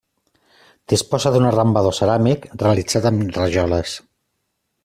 Disposa d'un arrambador ceràmic realitzat amb rajoles.